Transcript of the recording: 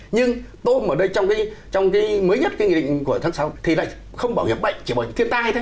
nhưng tôm ở đây trong cái mới nhất cái nghị định của tháng sáu thì lại không bảo hiểm bệnh chỉ bảo hiểm thiên tai thôi